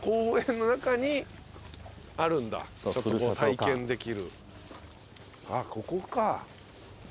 あっここか。